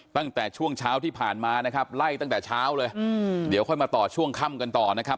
ตั้งแต่ช่วงเช้าที่ผ่านมานะครับไล่ตั้งแต่เช้าเลยเดี๋ยวค่อยมาต่อช่วงค่ำกันต่อนะครับ